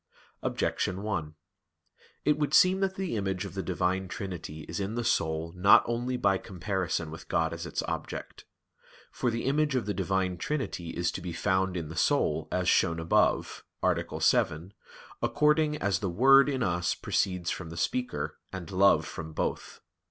Objection 1: It would seem that the image of the Divine Trinity is in the soul not only by comparison with God as its object. For the image of the Divine Trinity is to be found in the soul, as shown above (A. 7), according as the word in us proceeds from the speaker; and love from both.